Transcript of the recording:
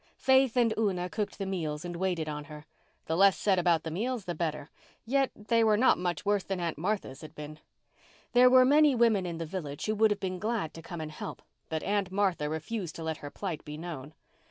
Faith and Una cooked the meals and waited on her. The less said about the meals the better—yet they were not much worse than Aunt Martha's had been. There were many women in the village who would have been glad to come and help, but Aunt Martha refused to let her plight be known.